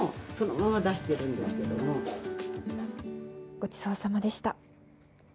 ごちそうさまでした。